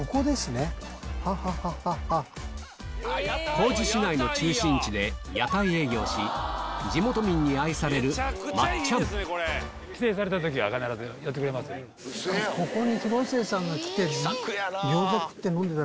高知市内の中心地で屋台営業し地元民に愛されるここに広末さんが来て。